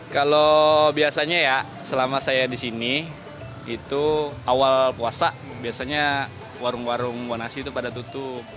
kalau biasanya ya selama saya di sini itu awal puasa biasanya warung warung nasi itu pada tutup